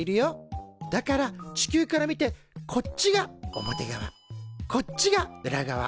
だから地球から見てこっちが表側こっちが裏側。